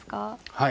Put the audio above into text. はい。